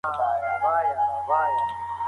غصه د ټولو بدیو سرچینه ده.